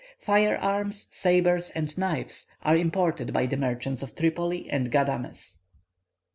Fire arms, sabres, and knives are imported by the merchants of Tripoli and Ghâdames.